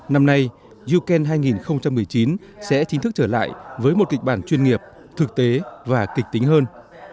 năm nay you can hai nghìn một mươi chín sẽ chính thức trở lại với một kịch bản chuyên nghiệp thực tế và kịch tính hơn